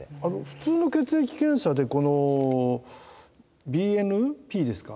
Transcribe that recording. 普通の血液検査でこのＢＮＰですか？